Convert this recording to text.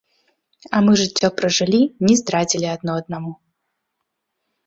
А мы жыццё пражылі, не здрадзілі адно аднаму.